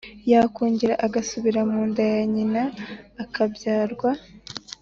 Yakongera agasubira mu nda ya nyina, akabyarwa?